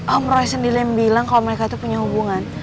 om roy sendiri yang bilang kalau mereka itu punya hubungan